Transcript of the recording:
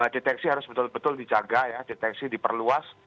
deteksi harus betul betul dijaga ya deteksi diperluas